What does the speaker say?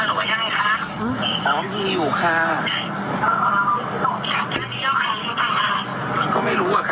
สวัสดีค่ะมีอะไรคะ